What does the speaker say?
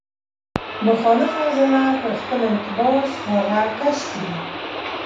مخالفه عضله په خپل انقباض هغه کش کړي.